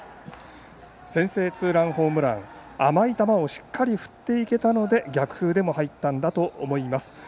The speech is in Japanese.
先制ツーランホームラン甘い球をしっかり振れていけたので逆風でも入ったんだと思います。